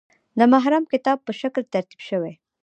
د محرم کتاب په شکل ترتیب شوی.